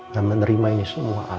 dan menerima ini semua al